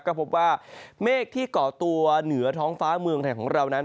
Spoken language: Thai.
ก็พบว่าเมฆที่ก่อตัวเหนือท้องฟ้าเมืองไทยของเรานั้น